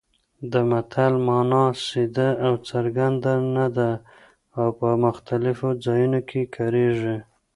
د متل مانا سیده او څرګنده نه ده او په مختلفو ځایونو کې کارېږي